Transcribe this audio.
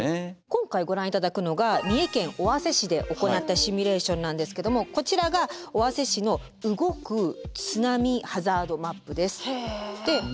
今回ご覧頂くのが三重県尾鷲市で行ったシミュレーションなんですけどもこちらが尾鷲市の動く津波ハザードマップです。